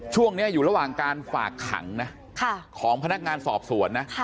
ช่วงนี้อยู่ระหว่างการฝากขังนะของพนักงานสอบสวนนะ